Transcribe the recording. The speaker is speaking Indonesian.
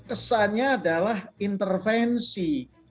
kesannya adalah intervensi